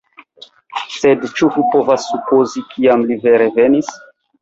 Sed ĉu vi povas supozi kiam li vere venis?